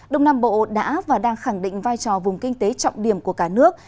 đông nam bộ đã và đang khẳng định vai trò vùng kinh tế trọng điểm của cả nước